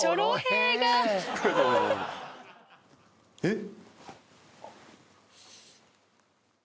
えっ！？